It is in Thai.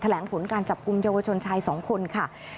แหลงผลการจับกลุ่มเยาวชนชาย๒คนค่ะ